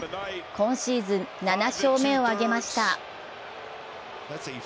今シーズン７勝目を挙げました。